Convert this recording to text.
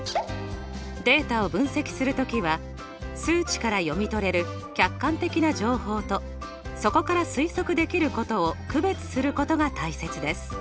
データを分析する時は数値から読み取れる客観的な情報とそこから推測できることを区別することが大切です。